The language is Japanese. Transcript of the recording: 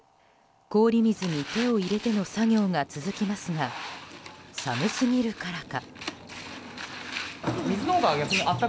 氷水に手を入れての作業が続きますが寒すぎるからか。